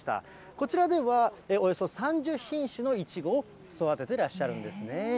こちらでは、およそ３０品種のいちごを育ててらっしゃるんですね。